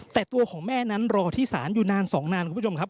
แต่ตัวของแม่นั้นรอที่ศาลอยู่นาน๒นานคุณผู้ชมครับ